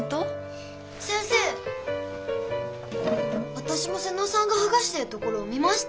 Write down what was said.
わたしも妹尾さんがはがしてるところを見ました！